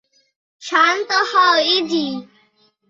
শান্ত হও, ইযি।